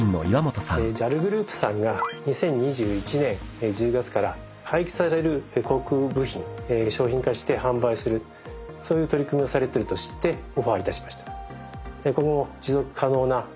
ＪＡＬグループさんが２０２１年１０月から廃棄される航空部品商品化して販売するそういう取り組みをされてると知ってオファーいたしました。